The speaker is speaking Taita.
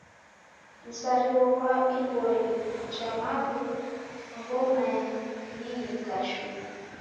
Msarigho ghwa iboli ja maghu ghomaniyika shuu.